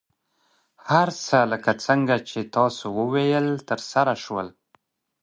هر څه لکه څنګه چې تاسو وویل، ترسره شول.